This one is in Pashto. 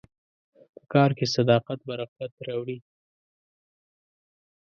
په کار کې صداقت برکت راوړي.